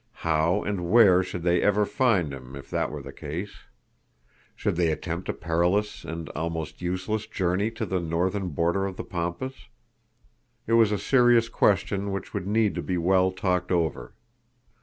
How and where should they ever find him if that were the case? Should they attempt a perilous and almost useless journey to the northern border of the Pampas? It was a serious question which would need to be well talked over.